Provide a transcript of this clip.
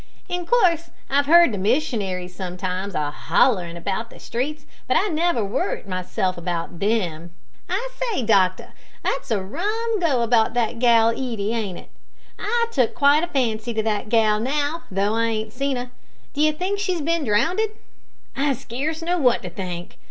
In coorse I've heard the missionaries sometimes, a hollerin' about the streets, but I never worrited myself about them. I say, doctor, that's a rum go about that gal Edie ain't it? I've quite took a fancy to that gal, now, though I ain't seen her. D'ye think she's bin drownded?" "I scarce know what to think.